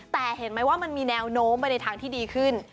แต่เห็นไหมว่ามันมีแนวโน้มไปในทางที่ดีขึ้น